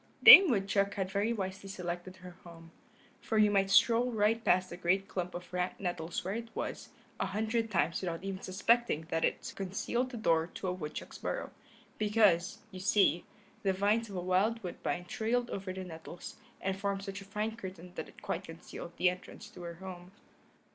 Dame Woodchuck had very wisely selected her home, for you might stroll right past the great clump of rank nettles where it was, a hundred times without even suspecting that it concealed the door to a woodchuck's burrow, because, you see, the vines of a wild woodbine trailed over the nettles, and formed such a fine curtain that it quite concealed the entrance to her home.